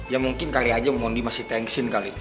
ya mungkin kali aja mondi masih tengsin kali